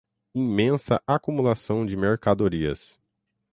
imensa acumulação de mercadorias